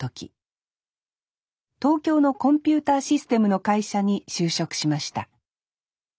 東京のコンピューターシステムの会社に就職しました。